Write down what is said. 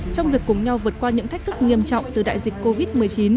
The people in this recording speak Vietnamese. trong việc cùng nhau vượt qua những thách thức nghiêm trọng từ đại dịch covid một mươi chín